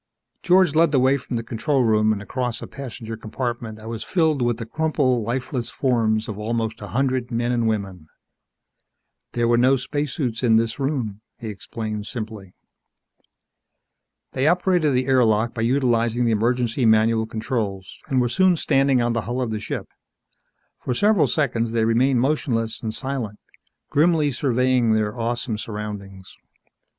George led the way from the control room, and across a passenger compartment that was filled with the crumpled, lifeless forms of almost a hundred men and women. "There were no spacesuits in this room," he explained simply. They operated the air lock by utilizing the emergency manual controls, and were soon standing on the hull of the ship. For several seconds they remained motionless and silent, grimly surveying their awesome surroundings.